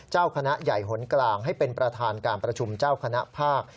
เจ้าคณะใหญ่หนกลางให้เป็นประธานการประชุมเจ้าคณะภาค